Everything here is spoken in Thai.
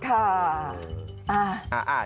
ค่ะ